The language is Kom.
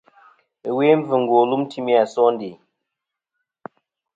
Ɨwe mbvɨngo lum timi a sondè.